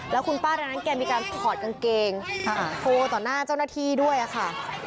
แล้วคุณป้าทางนั้นแกมีการถอดกางเกงโชว์ต่อหน้าเจ้าหน้าที่ด้วยค่ะ